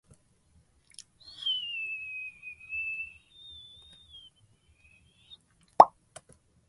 なかでも面白かったのは、綱渡りです。これは地面から二フィート十二インチばかりに、細い白糸を張って、その上でやります。